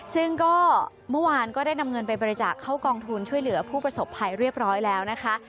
ซึ่งก็เมื่อวานก็ได้นำเงินไปบริจาคเข้ากองทุนช่วยเหลือผู้ประสบภัยเรียบร้อยแล้วนะคะ